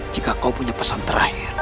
jika kau punya pesan terakhir